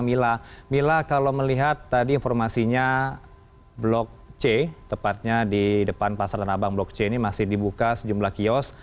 mila mila kalau melihat tadi informasinya blok c tepatnya di depan pasar tanah abang blok c ini masih dibuka sejumlah kios